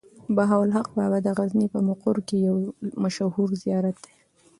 بهاوالحق بابا د غزني په مقر کې يو مشهور زيارت دی.